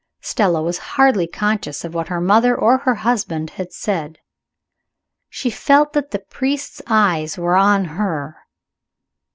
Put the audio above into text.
Stella was hardly conscious of what her mother or her husband had said. She felt that the priest's eyes were on her.